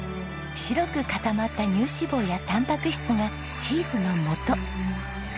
白く固まった乳脂肪やたんぱく質がチーズのもと。